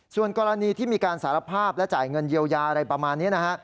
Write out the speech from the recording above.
ส่วนกรณีที่มีการสารภาพและจ่ายเงินเยียวยาอะไรประมาณนี้นะฮะ